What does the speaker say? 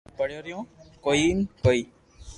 سب ايوي پڙيو رھيو ڪوئي ڪوئي